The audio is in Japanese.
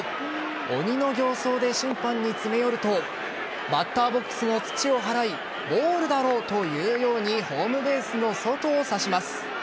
鬼の形相で審判に詰め寄るとバッターボックスの土をはらいボールだろと言うようにホームベースの外を指差します。